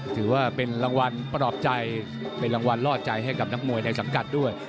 ถือว่าเป็นรางวัลปลอบใจเป็นรางวัลล่อใจให้กับนักมวยในสังกัดด้วย